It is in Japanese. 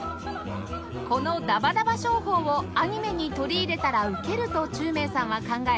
このダバダバ唱法をアニメに取り入れたらウケると宙明さんは考え